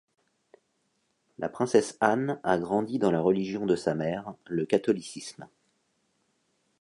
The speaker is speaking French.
La princesse Anne a grandi dans la religion de sa mère, le catholicisme.